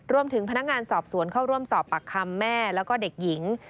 รวมถึงพนักงานสอบสวนเข้าร่วมสอบปากคำแม่แล้วก็เด็กหญิง